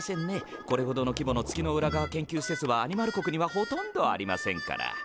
これほどの規模の月の裏側研究施設はアニマル国にはほとんどありませんから。